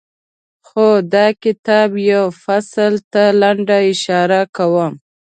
خو د کتاب یوه فصل ته لنډه اشاره کوم.